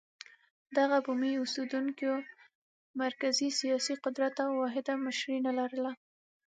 دغو بومي اوسېدونکو مرکزي سیاسي قدرت او واحده مشري نه لرله.